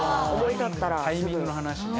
タイミングの話ね。